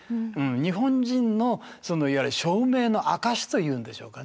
日本人のそのいわゆる証明の証しというんでしょうかね